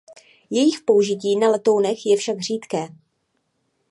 Jejich použití na letounech je však "řídké".